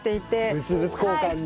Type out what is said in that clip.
物々交換で。